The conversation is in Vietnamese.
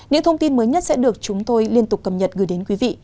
những thông tin mới nhất sẽ được chúng tôi liên tục cập nhật gửi đến quý vị